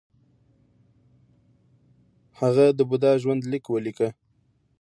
هغه د بودا ژوند لیک ولیکه